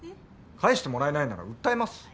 返してもらえないなら訴えます。